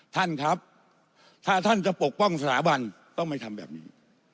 ท่านครับถ้าท่านจะปกป้องสถาบันต้องไม่ทำแบบนี้